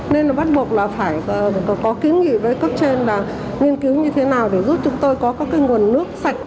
nên là bắt buộc là phải có kiến nghị với cấp trên là nghiên cứu như thế nào để giúp chúng tôi có các cái nguồn nước sạch